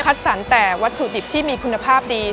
คัดสรรแต่วัตถุดิบที่มีคุณภาพดี